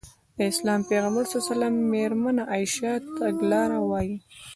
د اسلام پيغمبر ص مېرمنه عايشه تګلاره وايي.